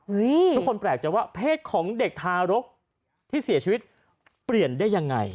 ทุกคนแปลกใจว่าเพศของเด็กทารกที่เสียชีวิตเปลี่ยนได้ยังไง